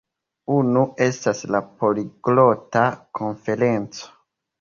Unu estas la Poliglota Konferenco